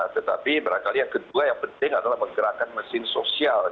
tetapi barangkali yang kedua yang penting adalah menggerakkan mesin sosial